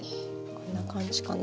こんな感じかな。